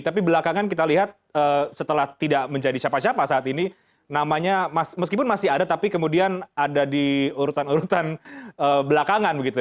tapi belakangan kita lihat setelah tidak menjadi siapa siapa saat ini namanya meskipun masih ada tapi kemudian ada di urutan urutan belakangan begitu